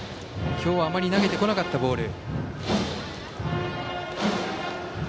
今日はあまり投げてこなかったボール。